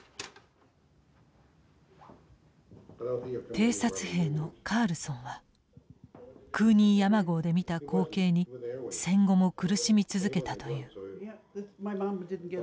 偵察兵のカールソンはクーニー山壕で見た光景に戦後も苦しみ続けたという。